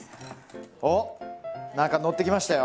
おっ何かのってきましたよ！